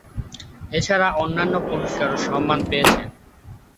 এছাড়া অন্যান্য পুরস্কার ও সম্মান পেয়েছেন।